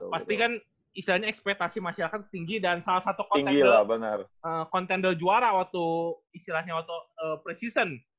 pasti kan istilahnya ekspetasi masyarakat tinggi dan salah satu contender juara waktu istilahnya waktu preseason